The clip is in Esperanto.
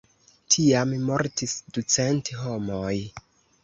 Tiam mortis ducent homoj.